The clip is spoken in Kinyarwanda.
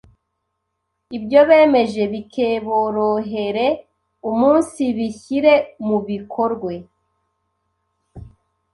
ibyo bemeje bikeborohere umunsibishyire mu bikorwe.